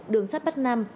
đường sát bắc nam